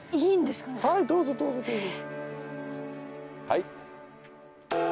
はい！